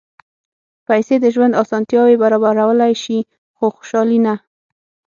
پېسې د ژوند اسانتیاوې برابرولی شي، خو خوشالي نه.